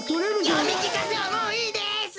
よみきかせはもういいです！